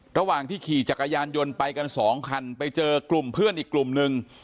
ระหว่างที่ขี่จักรยานยนต์ไปกันสองคันไปเจอกลุ่มเพื่อนอีกกลุ่มนึง